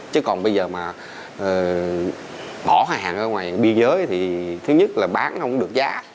chứ còn bây giờ mà bỏ hàng ở ngoài biên giới thì thứ nhất là bán không được giá